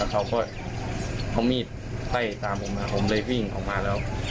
เขาก็เอามีดไล่ตามผมมาผมเลยวิ่งออกมาแล้ว